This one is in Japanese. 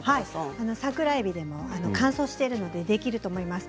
桜えびでも乾燥しているのでできると思います。